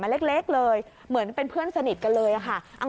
เล็กเลยเหมือนเป็นเพื่อนสนิทกันเลยค่ะ